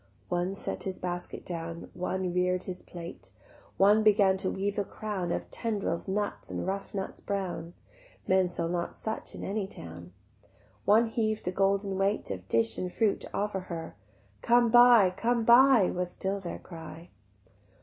One set his basket down, One rear'd his plate; One began to weave a crown Of tendrils, leaves, and rough nuts brown (Men sell not such in any town); One heav'd the golden weight Of dish and fruit to offer her: "Come buy, come buy," was still their cry.